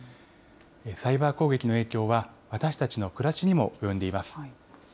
サイバー攻撃の影響は、私たちの暮らしにも及んでいます。